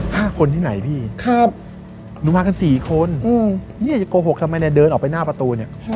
ห้าคนที่ไหนพี่หนูมากันสี่คนนี่อย่าโกหกทำไมนายเดินออกไปหน้าประตู